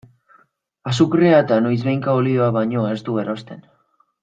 Azukrea eta noizbehinka olioa baino ez du erosten.